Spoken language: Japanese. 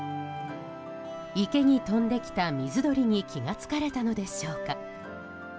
池に飛んできた水鳥に気が付かれたのでしょうか。